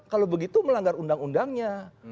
kalau begitu melanggar undang undangnya